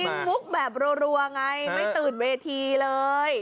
มุกแบบรัวไงไม่ตื่นเวทีเลย